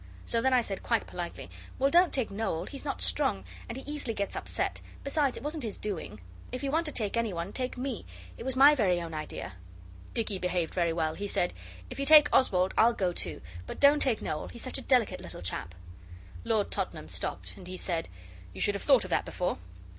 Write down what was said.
So then I said quite politely, 'Well, don't take Noel; he's not strong, and he easily gets upset. Besides, it wasn't his doing. If you want to take any one take me it was my very own idea.' Dicky behaved very well. He said, 'If you take Oswald I'll go too, but don't take Noel; he's such a delicate little chap.' Lord Tottenham stopped, and he said, 'You should have thought of that before.